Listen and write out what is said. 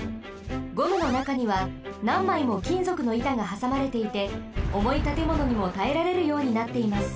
ゴムのなかにはなんまいもきんぞくのいたがはさまれていておもいたてものにもたえられるようになっています。